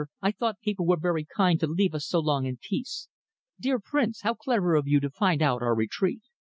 I thought people were very kind to leave us so long in peace. Dear Prince, how clever of you to find out our retreat!"